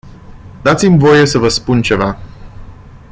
Dați-mi voie să vă spun ceva.